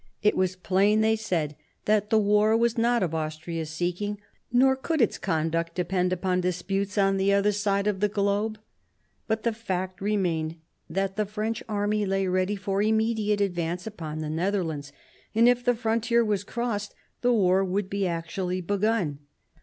It was plain, they said, that the war was not of Austria's seeking, nor could its conduct depend upon disputes on the other side of the globe. But the fact remained that the French army lay ready for immediate advance upon the Netherlands, and if the frontier was crossed, the war would be actually begun.